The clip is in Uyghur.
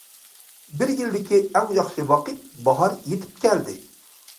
بىر يىلدىكى ئەڭ ياخشى ۋاقىت باھار يېتىپ كەلدى.